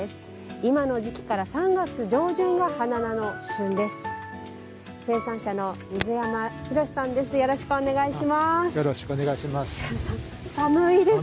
今の時期から３月上旬が花菜の旬です。